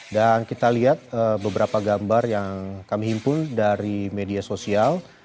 dan kita lihat beberapa gambar yang kami himpun dari media sosial